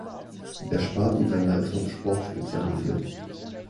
Der Spartensender ist auf Sport spezialisiert.